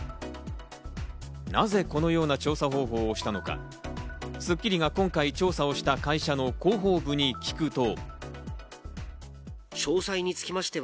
なぜこのような調査方法をしたのか、『スッキリ』が今回調査した会社の広報部に聞くと。